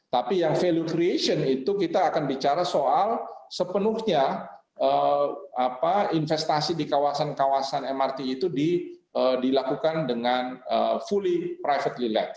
tapi yang value creation itu kita akan bicara soal sepenuhnya investasi di kawasan kawasan mrt itu dilakukan dengan fully private relax